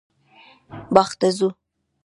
باغ ته ځو